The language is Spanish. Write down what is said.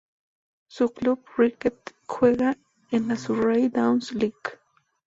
Su club de cricket juega en la Surrey Downs League.